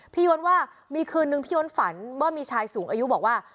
ย้นว่ามีคืนนึงพี่ย้นฝันว่ามีชายสูงอายุบอกว่า